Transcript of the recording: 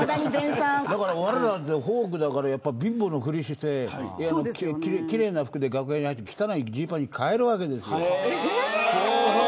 われわれはフォークだから貧乏なふりをして奇麗な服で楽屋に入って汚いジーパンに替えるわけです。